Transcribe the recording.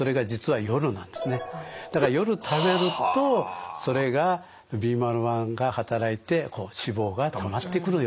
だから夜貯めるとそれがビーマル１が働いて脂肪が貯まってくるよと。